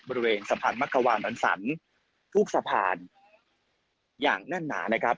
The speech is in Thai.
บริเวณสะพานมักขวานรังสรรค์ทุกสะพานอย่างหน้านานะครับ